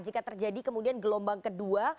jika terjadi kemudian gelombang kedua